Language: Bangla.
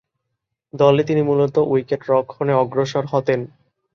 দলে তিনি মূলতঃ উইকেট-রক্ষণে অগ্রসর হতেন।